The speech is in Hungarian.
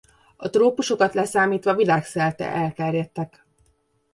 A trópusokat leszámítva világszerte elterjedtek.